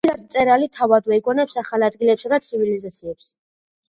ხშირად მწერალი თავადვე იგონებს ახალ ადგილებსა და ცივილიზაციებს.